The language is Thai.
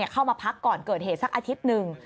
เข้ามาพักก่อนเกิดเหตุสักอาทิตย์หนึ่ง